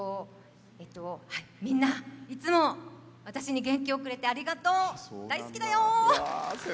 みんな、いつも私に元気をくれてありがとう、大好きだよ！